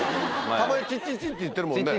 たまにチッチッチッて言ってるもんね。